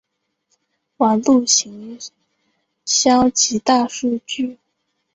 网路行销及大数据